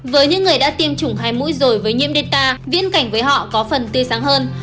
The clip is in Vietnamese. với những người đã tiêm chủng hai mũi rồi với nhiễm delta viễn cảnh với họ có phần tươi sáng hơn